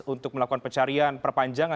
untuk melakukan pencarian perpanjang